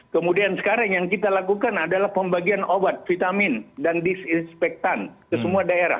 kemudian sekarang yang kita lakukan adalah pembagian obat vitamin dan disinspektan ke semua daerah